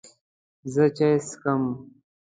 زه چای څښم.